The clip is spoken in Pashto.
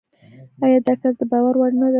ایا داکس دباور وړ دی؟